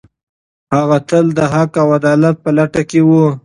هغه تل د حق او عدالت په لټه کې و.